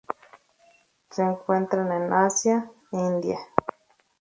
Se encuentran en Asia: India.